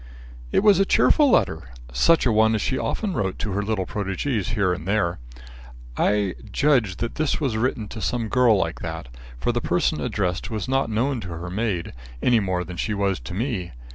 "It was a cheerful letter. Such a one as she often wrote to her little protegees here and there. I judge that this was written to some girl like that, for the person addressed was not known to her maid, any more than she was to me.